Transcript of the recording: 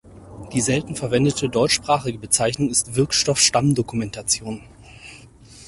Die selten verwendete deutschsprachige Bezeichnung ist Wirkstoff-Stammdokumentation.